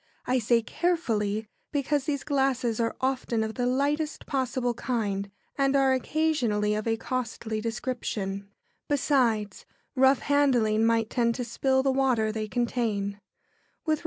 I say "carefully," because these glasses are often of the lightest possible kind, and are occasionally of a costly description. Besides, rough handling might tend to spill the water they contain. [Sidenote: Dessert.] With regard to the dessert fruits, &c.